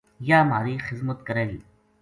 یاہ مھاری خزمت کرے گی